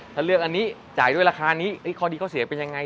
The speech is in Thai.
ถ้าเลือกอันนี้จ่ายด้วยราคานี้ข้อดีข้อเสียเป็นยังไง